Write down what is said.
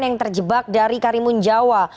yang terjebak dari karimun jawa